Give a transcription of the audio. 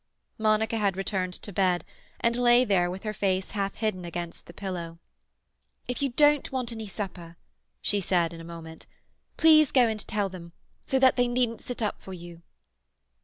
Monica had returned to bed, and lay there with her face half hidden against the pillow. "If you don't want any supper," she said in a moment, "please go and tell them, so that they needn't sit up for you."